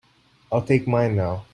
I'll take mine now.